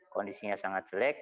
kondisinya sangat jelek